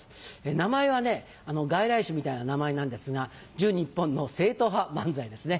名前は外来種みたいな名前なんですが純日本の正統派漫才ですね